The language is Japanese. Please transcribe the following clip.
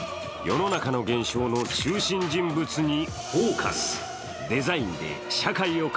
世の中の現象の中心人物に「ＦＯＣＵＳ」。